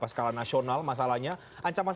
skala nasional masalahnya ancaman